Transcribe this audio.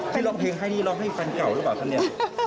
ให้ร้องเพลงให้นี่ร้องให้แฟนเก่าหรือเปล่าคะเนี่ย